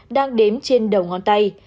đang đếm trên đầu ngón tay